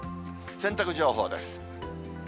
洗濯情報です。